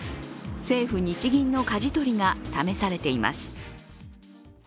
政府日銀のかじ取りが試されています。